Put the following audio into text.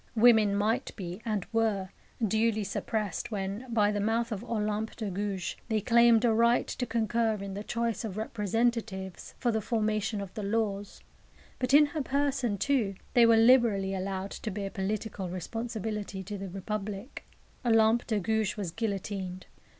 Women might be, and were, duly suppressed when, by the mouth of Olympe de Gouges, they claimed a "right to concur in the choice of representatives for the formation of the laws"; but in her person, too, they were liberally allowed to bear political responsibility to the Republic. Olympe de Gouges was guillotined.